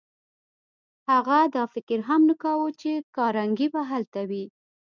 هغه دا فکر هم نه کاوه چې کارنګي به هلته وي.